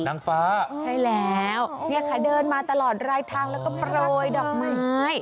นางฟ้าใช่แล้วเนี่ยค่ะเดินมาตลอดรายทางแล้วก็โปรยดอกไม้